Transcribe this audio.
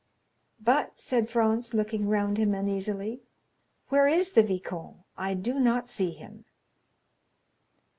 "But," said Franz, looking round him uneasily, "where is the viscount?—I do not see him."